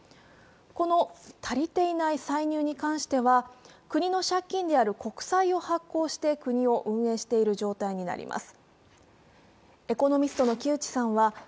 この足りていない歳入に関しては国の借金である国債を発行して国を運営している状態になります。